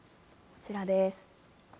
こちらです。